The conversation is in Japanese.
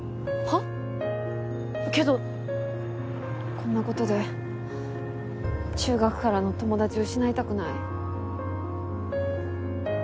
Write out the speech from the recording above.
こんな事で中学からの友達を失いたくない。